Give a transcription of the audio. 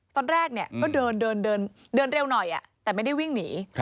ตอนแรกก็เดินเร็วหน่อยแต่ไม่ได้วิ่งหนี